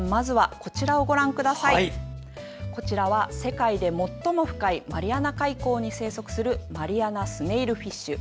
こちらは世界で最も深いマリアナ海溝に生息するマリアナスネイルフィッシュ。